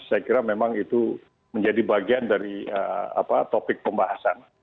saya kira memang itu menjadi bagian dari topik pembahasan